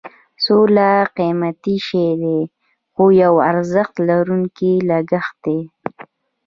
سوله قیمتي شی دی خو یو ارزښت لرونکی لګښت دی.